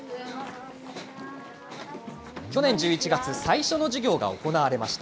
去年１１月、最初の授業が行われました。